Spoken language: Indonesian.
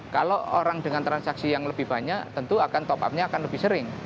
kalau orang dengan transaksi yang lebih banyak tentu akan top up nya akan lebih sering